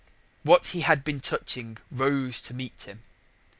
What he had been touching rose to meet him.